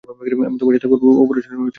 আমি তোমার সাথে অপারেশনের পরে দেখা করব।